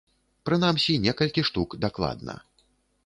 Прынамсі, некалькі штук дакладна.